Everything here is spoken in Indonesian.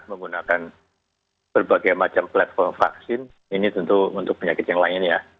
menggunakan berbagai macam platform vaksin ini tentu untuk penyakit yang lain ya